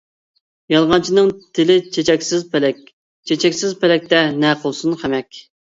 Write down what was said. يالغانچىنىڭ تىلى چېچەكسىز پەلەك، چېچەكسىز پەلەكتە نە قىلسۇن خەمەك.